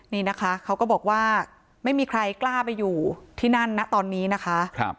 นี่นะคะเขาก็บอกว่าไม่มีใครกล้าไปอยู่ที่นั่นนะตอนนี้นะคะ